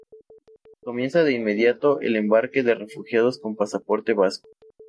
Comienza de inmediato el embarque de refugiados con pasaporte vasco.